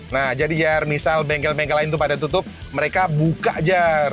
nah jadi biar misal bengkel bengkel lain itu pada tutup mereka buka jar